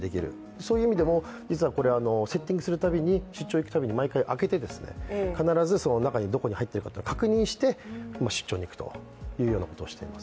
そういう意味でも実はこれ、セッティングするたびに、出張行くたびに毎回開けて必ず中にどこに入っているかを確認して、出張にいくというようなことをしています。